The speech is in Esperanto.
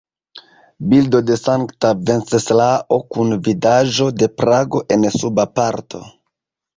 Bildo de Sankta Venceslao kun vidaĵo de Prago en suba parto.